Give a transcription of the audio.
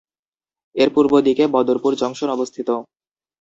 এর পূর্ব দিকে বদরপুর জংশন অবস্থিত।